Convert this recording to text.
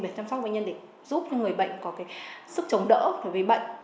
để chăm sóc bệnh nhân để giúp những người bệnh có sức chống đỡ về bệnh